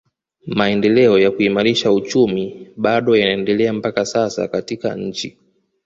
Maendeleo ya kuimarisha uchumi bado yanaendelea mpaka sasa katika nchi